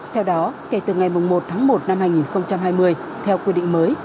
theo đó kể từ ngày một tháng một năm hai nghìn hai mươi theo quy định mới